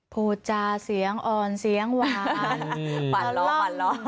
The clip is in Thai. พูดจาเสียงอ่อนเสียงหวานหวานล้อม